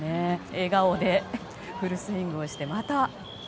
笑顔でフルスイングをして。